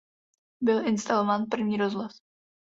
Byl instalován první rozhlas.